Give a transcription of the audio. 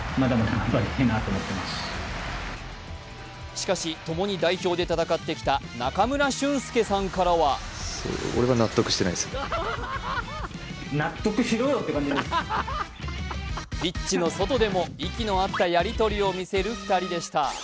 しかし、ともに代表で戦ってきた中村俊輔さんからはピッチの外でも息の合ったやりとりを見せる２人でした。